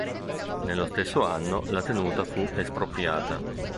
Nello stesso anno, la tenuta fu espropriata.